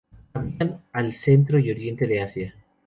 Habitan al centro y oriente de Asia.